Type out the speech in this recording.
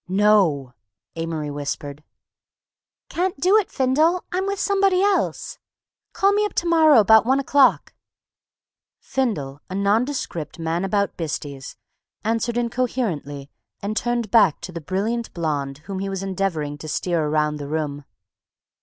"No!" Amory whispered. "Can't do it, Findle; I'm with somebody else! Call me up to morrow about one o'clock!" Findle, a nondescript man about Bisty's, answered incoherently and turned back to the brilliant blonde whom he was endeavoring to steer around the room.